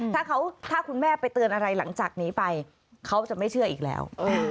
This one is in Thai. ถ้าคุณแม่ไปเตือนอะไรหลังจากนี้ไปเขาจะไม่เชื่ออีกแล้ว